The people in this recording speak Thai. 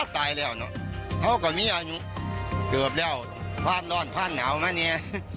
เพราะว่าก่อนนี้เกือบแล้วพร่านร้อนพร่านหนาวมาเนี่ย